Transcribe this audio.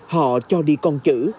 họ cho đi con chữ